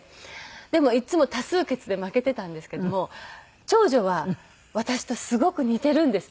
でもいつも多数決で負けていたんですけども長女は私とすごく似ているんですね。